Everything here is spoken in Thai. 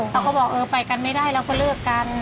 เขาก็บอกเออไปกันไม่ได้เราก็เลิกกัน